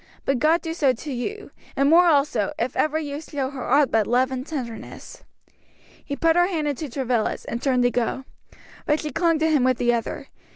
But God do so to you, and more also, if ever you show her aught but love and tenderness." He put her hand into Travilla's, and turned to go. But she clung to him with the other.